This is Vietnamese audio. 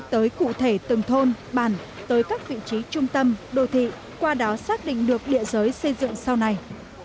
tới cụ thể từng thôn bản tới các vị trí trung tâm đô thị qua đó xác định được địa giới xây dựng sau này